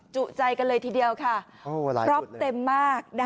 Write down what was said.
จุใจกันเลยทีเดียวค่ะพร้อมเต็มมาก